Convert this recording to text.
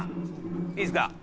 いいっすか？